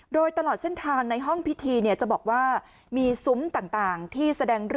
โดยตลอดเส้นทางในห้องพิธี